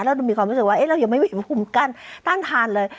แล้วดูมีความรู้สึกว่าเอ๊ะเรายังไม่มีภูมิกันต้านทานเลย